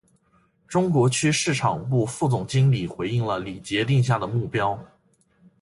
中国区市场部副总经理回应了李杰定下的目标